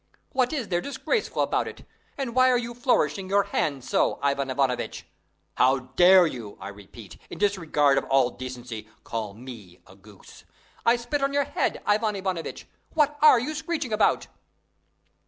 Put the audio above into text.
"What is there disgraceful about it? And why are you flourishing your hands so, Ivan Ivanovitch?" "How dared you, I repeat, in disregard of all decency, call me a goose?" "I spit on your head, Ivan Ivanovitch! What are you screeching about?"